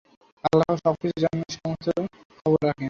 আল্লাহ সব কিছু জানেন, সমস্ত খবর রাখেন।